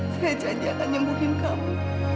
saya janji akan nyembuhkan kamu